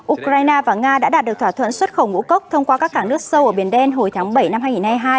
ukraine và nga đã đạt được thỏa thuận xuất khẩu ngũ cốc thông qua các cảng nước sâu ở biển đen hồi tháng bảy năm hai nghìn hai mươi hai